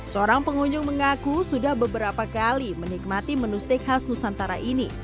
seorang pengunjung mengaku sudah beberapa kali menikmati menu steak khas nusantara ini